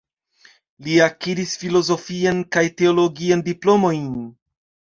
Li akiris filozofian kaj teologian diplomojn.